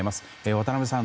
渡辺さん